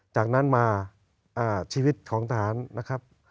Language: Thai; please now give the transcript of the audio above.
จากนั้นมาชีวิตของทหารนะครับ